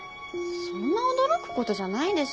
そんな驚く事じゃないでしょ。